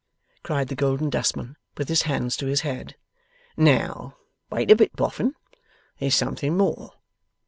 cried the Golden Dustman, with his hands to his head. 'Now, wait a bit, Boffin; there's something more.